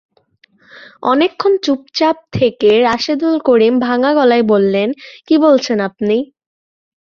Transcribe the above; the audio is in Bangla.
অনেকক্ষণ চুপচাপ থেকে রাশেদুল করিম ভাঙা গলায় বললেন, কী বলছেন আপনি?